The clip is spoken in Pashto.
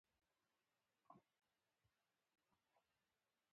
د شېخ قاسم مور نېکبخته نومېده.